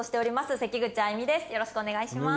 よろしくお願いします。